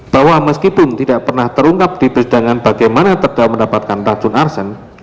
bahwa meskipun tidak pernah terungkap di persidangan bagaimana terdakwa mendapatkan racun arsen